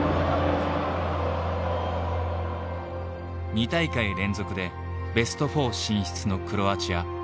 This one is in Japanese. ２大会連続でベスト４進出のクロアチア。